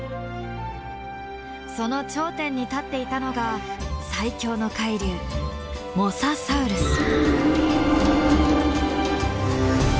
その頂点に立っていたのが最強の海竜モササウルス。